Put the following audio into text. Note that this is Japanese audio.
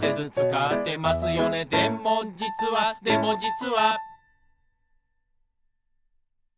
「でもじつはでもじつは」